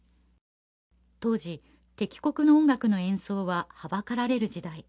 当時敵国の音楽の演奏ははばかられる時代